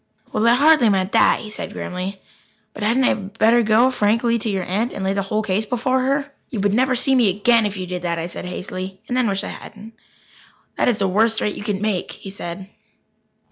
"Well, I hardly meant that," he said grimly. "But hadn't I better go frankly to your aunt and lay the whole case before her?" "You would never see me again if you did that," I said hastily and then wished I hadn't. "That is the worst threat you could make," he said.